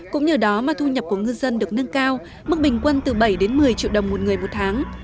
cũng nhờ đó mà thu nhập của ngư dân được nâng cao mức bình quân từ bảy đến một mươi triệu đồng một người một tháng